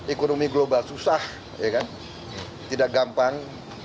ekonomi global susah tidak gampang